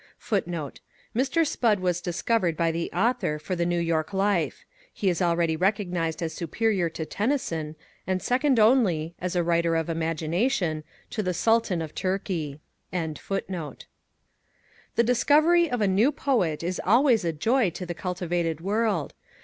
[Footnote: Mr. Spudd was discovered by the author for the New York Life. He is already recognized as superior to Tennyson and second only, as a writer of imagination, to the Sultan of Turkey.] The discovery of a new poet is always a joy to the cultivated world.